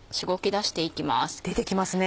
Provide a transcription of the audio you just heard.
出てきますね。